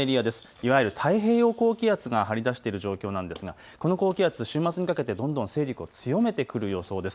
いわゆる太平洋高気圧が張り出している状況なんですが、この高気圧、週末にかけてどんどん勢力を強めてくる予想です。